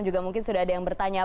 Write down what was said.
juga mungkin sudah ada yang bertanya